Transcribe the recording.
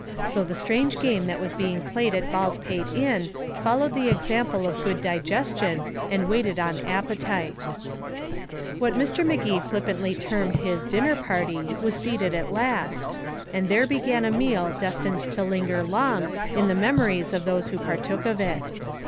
So the strange game that was being played at Baldpate Inn followed the example of good digestion and waited on appetite. What Mr. Magee flippantly termed his dinner party was seated at last, and there began a meal destined to linger long in the memories of those who partook if it.